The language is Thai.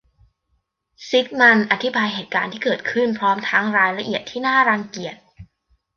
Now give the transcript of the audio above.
ซิกมันด์อธิบายเหตุการณ์ที่เกิดขึ้นพร้อมทั้งรายละเอียดที่น่ารังเกียจ